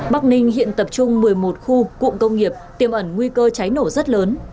bắc ninh hiện tập trung một mươi một khu cụm công nghiệp tiêm ẩn nguy cơ cháy nổ rất lớn